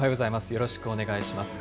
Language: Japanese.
よろしくお願いします。